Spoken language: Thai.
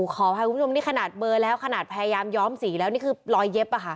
ขออภัยคุณผู้ชมนี่ขนาดเบอร์แล้วขนาดพยายามย้อมสีแล้วนี่คือรอยเย็บ